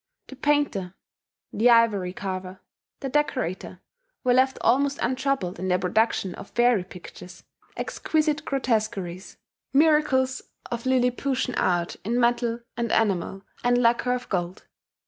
The painter, the ivory carver, the decorator, were left almost untroubled in their production of fairy pictures, exquisite grotesqueries, miracles of liliputian art in metal and enamel and lacquer of gold.